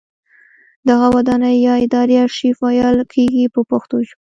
دغه ودانۍ یا ادارې ارشیف ویل کیږي په پښتو ژبه.